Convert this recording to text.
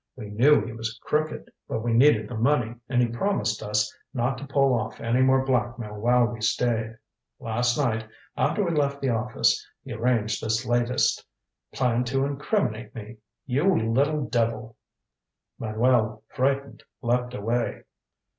We knew he was crooked, but we needed the money and he promised us not to pull off any more blackmail while we stayed. Last night, after we left the office, he arranged this latest. Planned to incriminate me. You little devil " Manuel, frightened, leaped away.